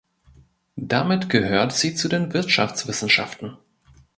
Damit gehört sie zu den Wirtschaftswissenschaften.